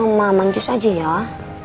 kasihan mama manjus aja ya